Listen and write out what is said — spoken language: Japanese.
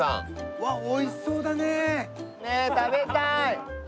うわっおいしそうだねねえ食べたい！